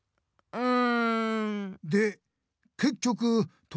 うん。